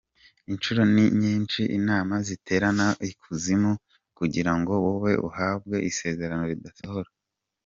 Inshuro ni nyinshi inama ziterana ikuzimu kugira ngo wowe wahawe isezerano ridasohora.